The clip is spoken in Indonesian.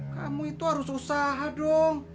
kamu itu harus usaha dong